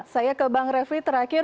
saya ke bang refli terakhir